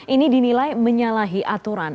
ini dinilai menyalahi aturan